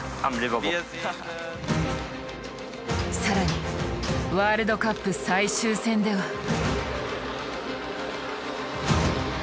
更にワールドカップ最終戦では。